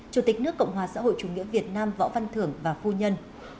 chủ tịch nước cộng hòa xã hội chủ nghĩa việt nam võ văn thưởng và phu nhân